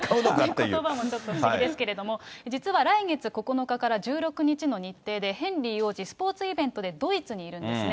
そのことばも不思議ですけれども、実は来月９日から１６日の日程で、ヘンリー王子、スポーツイベントでドイツにいるんですね。